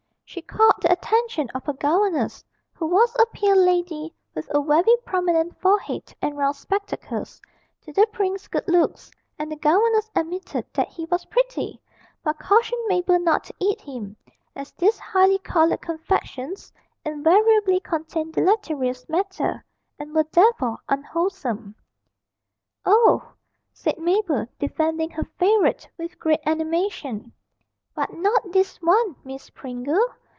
She called the attention of her governess who was a pale lady, with a very prominent forehead and round spectacles to the prince's good looks, and the governess admitted that he was pretty, but cautioned Mabel not to eat him, as these highly coloured confections invariably contained deleterious matter, and were therefore unwholesome. 'Oh,' said Mabel, defending her favourite with great animation, 'but not this one, Miss Pringle.